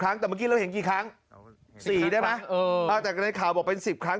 ครั้งแต่เมื่อกี้เราเห็นกี่ครั้ง๔ได้ไหมแต่ในข่าวบอกเป็น๑๐ครั้ง